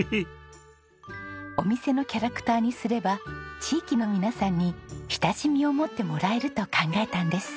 お店のキャラクターにすれば地域の皆さんに親しみを持ってもらえると考えたんです。